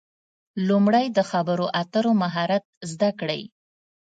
لومړی د خبرو اترو مهارت زده کړئ.